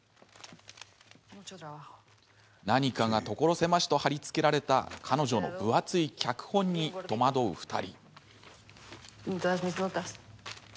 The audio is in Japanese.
何かが所狭しと貼り付けられた彼女の分厚い脚本に戸惑う２人。